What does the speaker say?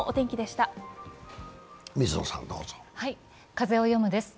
「風をよむ」です。